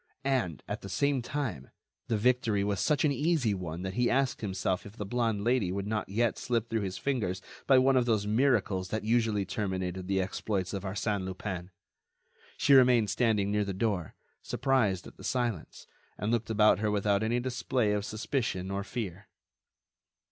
And, at the same time, the victory was such an easy one that he asked himself if the blonde Lady would not yet slip through his fingers by one of those miracles that usually terminated the exploits of Arsène Lupin. She remained standing near the door, surprised at the silence, and looked about her without any display of suspicion or fear.